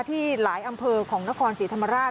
ที่หลายอำเภอของนครศรีธรรมราช